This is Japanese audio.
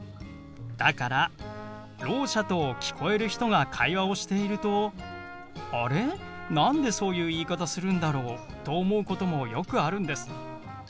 だからろう者と聞こえる人が会話をしていると「あれ？何でそういう言い方するんだろう？」と思うこともよくあるんです。